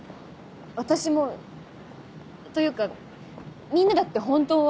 私もというかみんなだって本当は。